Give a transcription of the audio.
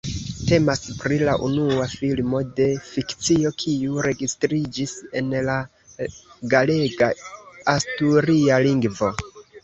Temas pri la unua filmo de fikcio kiu registriĝis en la galega-asturia lingvo.